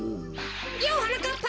ようはなかっぱ！